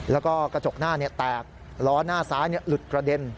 แล้วก็กระจกหน้าแตกล้อหน้าซ้ายหลุดกระเด็น